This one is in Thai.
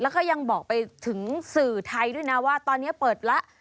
แล้วก็ยังบอกไปถึงสื่อไทยด้วยนะว่าตอนนี้เปิดแล้ว